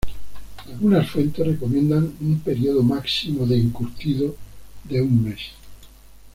Algunas fuentes recomiendan un periodo máximo de encurtido de un mes.